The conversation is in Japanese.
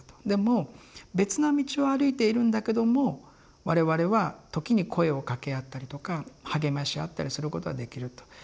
でも別な道を歩いているんだけども我々は時に声を掛け合ったりとか励まし合ったりすることはできると。